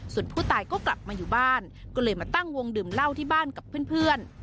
ส่วนผู้ตายก็กลับมาอยู่บ้านก็เลยมาตั้งวงดื่มเหล้าที่บ้านกับเพื่อน